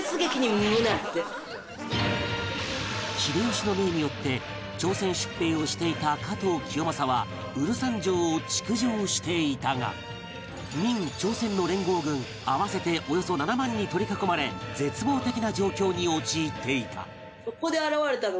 秀吉の命によって朝鮮出兵をしていた加藤清正は蔚山城を築城していたが明・朝鮮の連合軍合わせておよそ７万に取り囲まれ絶望的な状況に陥っていた